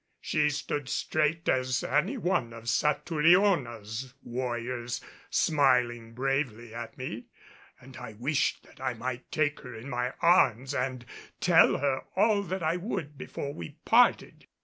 She stood straight as any one of Satouriona's warriors, smiling bravely at me, and I wished that I might take her in my arms and tell her all that I would before we parted.